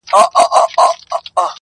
پاچهي دي مبارک سه چوروندکه.!